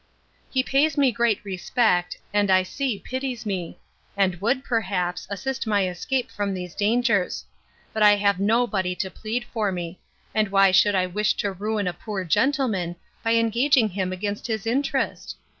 He pays me great respect, and I see pities me; and would, perhaps, assist my escape from these dangers: But I have nobody to plead for me; and why should I wish to ruin a poor gentleman, by engaging him against his interest?